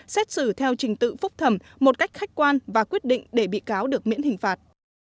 xét xử theo trình tự phúc thẩm một cách khách quan và quyết định để bị cáo được miễn hình phạt